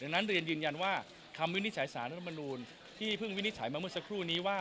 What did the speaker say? นั้นเรียนยืนยันว่าคำวินิจฉัยสารรัฐมนูลที่เพิ่งวินิจฉัยมาเมื่อสักครู่นี้ว่า